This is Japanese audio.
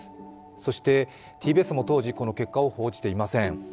そしてＴＢＳも当時、この結果を報じていません。